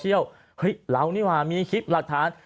เฮ้ยเรานี่ว่ามีคลิปหลักฐาน